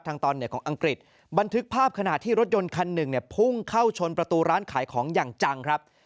ตอนเหนือของอังกฤษบันทึกภาพขณะที่รถยนต์คันหนึ่งเนี่ยพุ่งเข้าชนประตูร้านขายของอย่างจังครับ